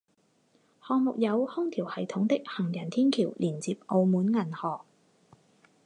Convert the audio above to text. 项目有空调系统的行人天桥连接澳门银河。